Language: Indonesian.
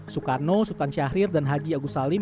soekarno sultan syahrir dan haji agus salim